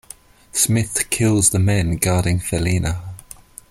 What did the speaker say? Smith kills the men guarding Felina.